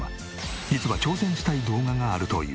実は挑戦したい動画があるという。